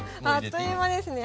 あっという間ですね。